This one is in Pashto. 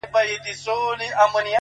• غرڅه ډوب وو د ښکرونو په ستایلو ,